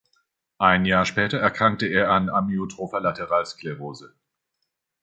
Ein Jahr später erkrankte er an Amyotropher Lateralsklerose.